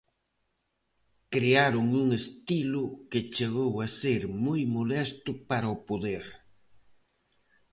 Crearon un estilo que chegou a ser moi molesto para o poder.